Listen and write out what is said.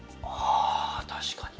あ確かに。